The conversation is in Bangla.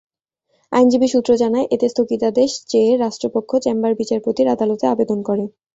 আইনজীবী সূত্র জানায়, এতে স্থগিতাদেশ চেয়ে রাষ্ট্রপক্ষ চেম্বার বিচারপতির আদালতে আবেদন করে।